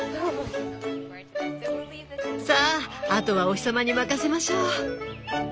さああとはお日様に任せましょう！